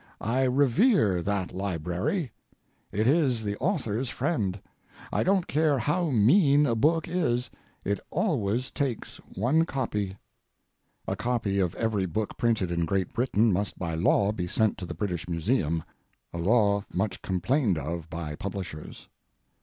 I revere that library. It is the author's friend. I don't care how mean a book is, it always takes one copy. [A copy of every book printed in Great Britain must by law be sent to the British Museum, a law much complained of by publishers.